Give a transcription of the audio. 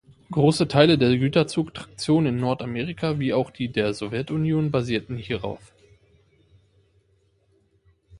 Große Teile der Güterzug-Traktion in Nordamerika wie auch die der Sowjetunion basierten hierauf.